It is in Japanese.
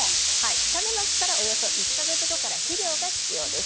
種まきからおよそ１か月後から肥料が必要になります。